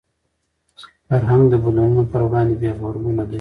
فرهنګ د بدلونونو پر وړاندې بې غبرګونه دی